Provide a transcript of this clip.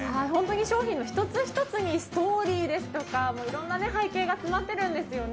商品の一つ一つにストーリーですとかいろんな背景が詰まっているんですよね